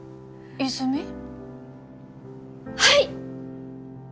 はい！